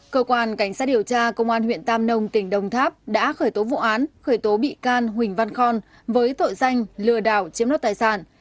cơ quan cảnh sát điều tra công an huyện tam nông tỉnh đồng tháp đã khởi tố vụ án khởi tố bị can huỳnh văn khon với tội danh lừa đảo chiếm đoạt tài sản